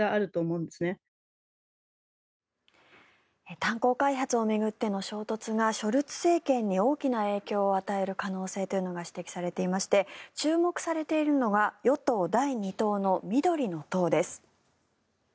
炭鉱開発を巡っての衝突がショルツ政権に大きな影響を与える可能性というのが指摘されていまして注目されているのが与党第２党の緑の党です。